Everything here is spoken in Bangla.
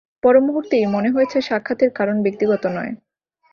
পরমুহূর্তেই মনে হয়েছে সাক্ষাতের কারণ ব্যক্তিগত নয়।